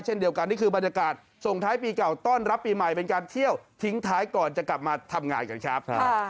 เช่นเดียวกันนี่คือบรรยากาศส่งท้ายปีเก่าต้อนรับปีใหม่เป็นการเที่ยวทิ้งท้ายก่อนจะกลับมาทำงานกันครับ